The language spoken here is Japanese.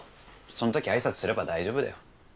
そのとき挨拶すれば大丈夫だよ。